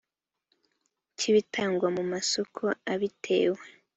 cy ibitangwa mu masoko abitewe